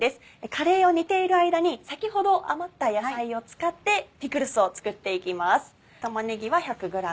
カレーを煮ている間に先ほど余った野菜を使ってピクルスを作っていきます。